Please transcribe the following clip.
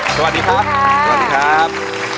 สวัสดีครับ